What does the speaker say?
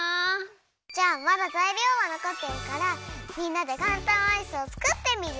じゃあまだざいりょうはのこってるからみんなでかんたんアイスをつくってみる？